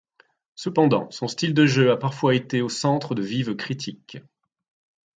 Cependant, son style de jeu a parfois été au centre de vives critiques.